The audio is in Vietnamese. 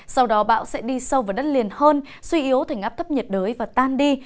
sau đó bão sẽ đi sâu vào đất liền hơn suy yếu thành áp thấp nhiệt đới và tan đi